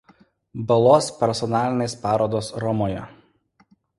Balos personalinės parodos Romoje.